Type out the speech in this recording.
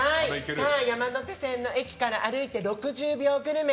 山手線の駅から歩いて６０秒グルメ。